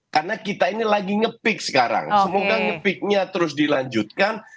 karena kita ini lagi nge pick sekarang semoga nge picknya terus dilanjutkan